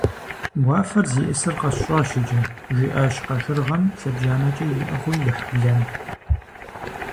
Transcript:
- Уафэр зиӏисыр къэсщӏащ иджы, - жиӏащ къэшыргъэм лъэбжьанэкӏэ иӏыгъыу ихь блэм.